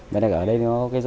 vậy là ở đây nó có cái do